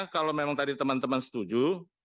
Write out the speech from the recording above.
kalau memang tadi teman teman setuju